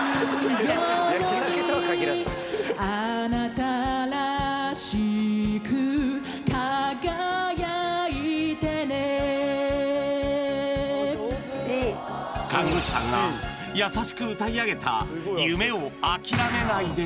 鹿児島での看護師さんが優しく歌い上げた「夢をあきらめないで」